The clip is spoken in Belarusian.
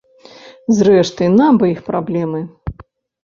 Зрэшты, нам бы іх праблемы.